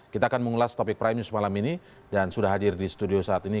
kita akan mengulas topik prime news malam ini dan sudah hadir di studio saat ini